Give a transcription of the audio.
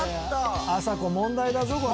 あさこ、問題だぞ、これ。